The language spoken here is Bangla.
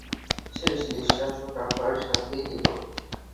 শেষ নিঃশ্বাস ও টাকার সাথেই নিলো।